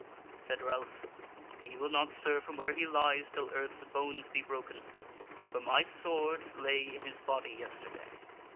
Said Ralph: "He will not stir from where he lies till Earth's bones be broken, for my sword lay in his body yesterday."